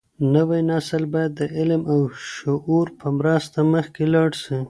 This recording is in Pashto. نوی نسل بايد د علم او شعور په مرسته مخکې لاړ سي.